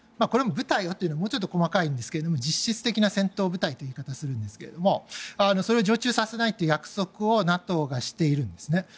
これも、部隊をというのはもうちょっと細かいんですが実質的な戦闘部隊という言い方をするんですがそれを常駐させないという約束をＮＡＴＯがしているんですね。